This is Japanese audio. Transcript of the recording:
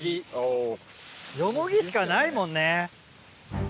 ヨモギしかないもんね。